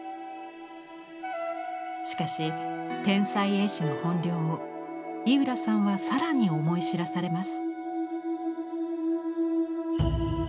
しかし天才絵師の本領を井浦さんは更に思い知らされます。